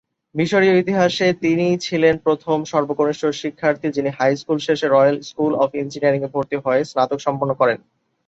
মিশরের ইতিহাসে তিনিই ছিলেন প্রথম সর্বকনিষ্ঠ শিক্ষার্থী- যিনি হাইস্কুল শেষে ‘রয়েল স্কুল অব ইঞ্জিনিয়ারিং’-এ ভর্তি হয়ে স্নাতক সম্পন্ন করেন।